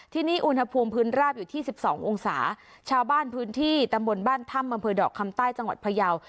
ที่นี่อุณหภูมิพื้นราบอยู่ที่สิบสององศาชาวบ้านพื้นที่ตำบลบ้านถ้ำอำเภอดอกคำใต้จังหวัดพยาว